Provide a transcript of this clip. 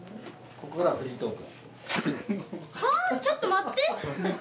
ちょっと待って。